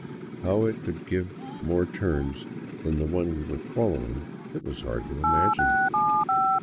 How it could " give more turns " than the one we were following, it was hard to imagine.